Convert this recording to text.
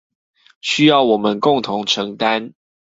需要我們共同承擔